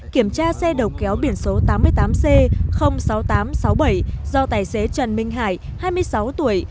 kiểm tra xe đầu kéo biển số tám mươi tám c sáu nghìn tám trăm sáu mươi bảy do tài xế trần minh hải hai mươi sáu tuổi